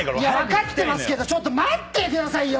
分かってますけどちょっと待ってくださいよそれは。